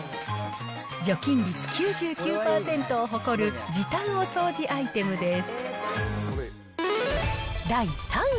除菌率９９％を誇る時短お掃除アイテムです。